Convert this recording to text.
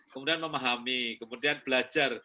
kemudian memahami kemudian belajar